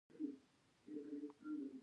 ته په وخت ځان راورسوه